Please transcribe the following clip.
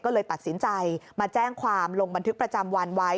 ก็เลยตัดสินใจมาแจ้งความลงบันทึกประจำวันไว้